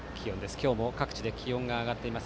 今日も各地で気温が上がっています。